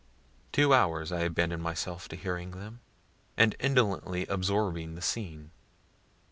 Two hours I abandon myself to hearing them, and indolently absorbing the scene.